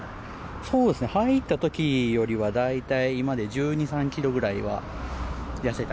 そうですね入った時よりは大体今で１２１３キロぐらいは痩せたんですかね。